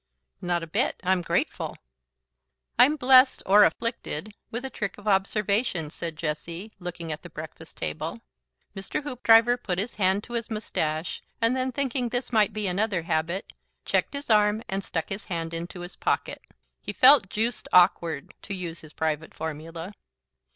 "Not a bit. I'm grateful." "I'm blessed or afflicted with a trick of observation," said Jessie, looking at the breakfast table. Mr. Hoopdriver put his hand to his moustache and then, thinking this might be another habit, checked his arm and stuck his hand into his pocket. He felt juiced awkward, to use his private formula.